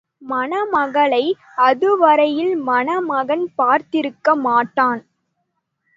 மணமகளை அதுவரையில் மணமகன் பார்த்திருக்க மாட்டான்.